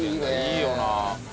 いいよなあ。